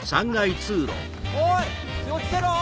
おい気をつけろ！